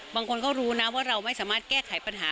บางคนเขารู้นะว่าเราไม่สามารถแก้ไขปัญหา